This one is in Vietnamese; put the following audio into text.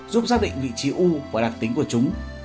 giúp xác định vị trí u và đặc tính của chúng